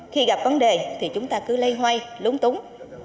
khi gặp vấn đề thì chúng ta cứ lây hoay lúng túng